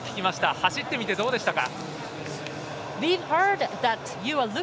走ってみてどうでしたか？